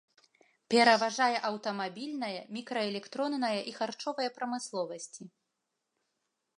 Пераважае аўтамабільная, мікраэлектронная і харчовая прамысловасці.